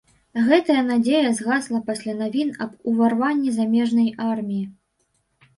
Гэтая надзея згасла пасля навін аб уварванні замежнай арміі.